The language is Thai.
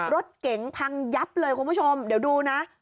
รถเก๋งพังยับเลยคุณผู้ชมเดี๋ยวดูนะ